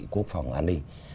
quốc phòng an ninh